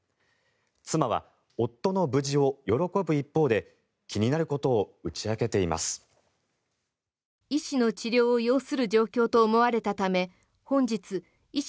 妻は夫の無事を喜ぶ一方で気になることを打ち明けています。